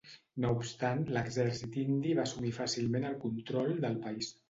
No obstant l'exèrcit indi va assumir fàcilment el control del país.